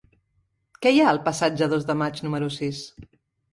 Què hi ha al passatge del Dos de Maig número sis?